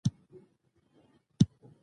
باسواده نجونې د ټولنیزو رسنیو کارول زده کوي.